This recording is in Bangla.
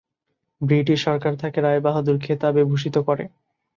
ব্রিটিশ সরকার তাঁকে "রায়বাহাদুর" খেতাবে ভূষিত করে।